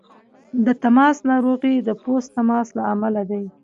د تماس ناروغۍ د پوست تماس له امله دي.